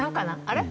あれ？